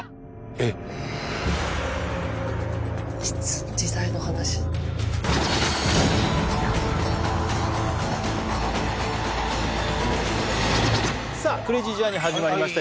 えっさあクレイジージャーニー始まりました